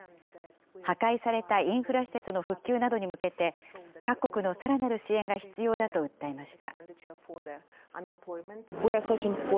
破壊されたインフラ施設の復旧などに向けて、各国のさらなる支援が必要だと訴えました。